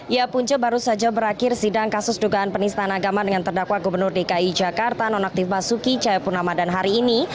ya punca baru saja berakhir sidang kasus dugaan penistaan agama dengan terdakwa gubernur dki jakarta nonaktif basuki cahayapurnama dan hari ini